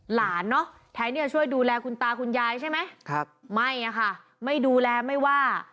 หลานเนอะแทนที่จะช่วยดูแลคุณตาคุณยายใช่ไหมครับไม่อะค่ะไม่ดูแลไม่ว่า